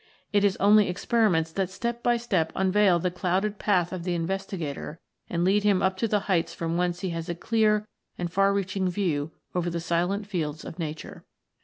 It is only experiments that step by step unveil the clouded path of the investigator and lead him up to the heights from whence he has a clear and far reaching view over the silent fields of Nature.